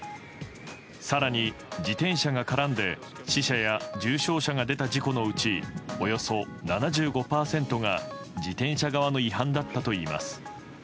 更に、自転車が絡んで死者や重傷者が出た事故のうちおよそ７５％が自転車側の違反だったといいます。